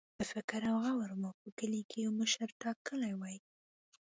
په فکر او غور مو په کلي کې یو مشر ټاکلی وي.